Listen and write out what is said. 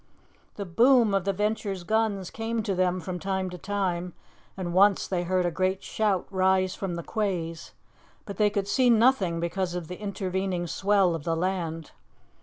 The boom of the Venture's guns came to them from time to time, and once they heard a great shout rise from the quays, but they could see nothing because of the intervening swell of the land.